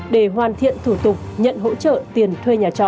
để hoàn thiện thủ tục nhận hỗ trợ tiền thuê nhà trọ